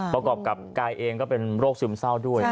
ประกอบกับกายเองก็เป็นโรคซึมเศร้าด้วย